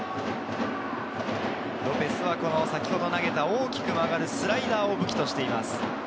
ロペスは先ほど投げた大きく曲がるスライダーを武器にしています。